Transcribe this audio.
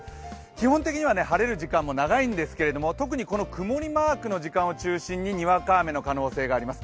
基本的には晴れる時間も長いんですけれども、特にこの曇りマークの時間を中心ににわか雨の可能性があります。